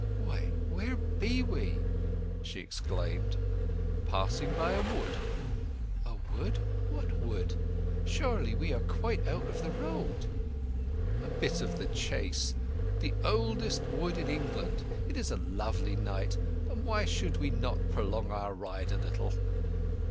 "Why, where be we?" she exclaimed. "Passing by a wood." "A wood—what wood? Surely we are quite out of the road?" "A bit of The Chase—the oldest wood in England. It is a lovely night, and why should we not prolong our ride a little?"